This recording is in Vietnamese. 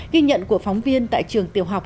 ghi nhận của phóng viên tại trường tiểu học